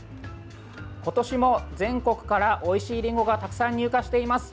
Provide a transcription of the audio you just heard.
今年も全国からおいしいりんごがたくさん入荷しています。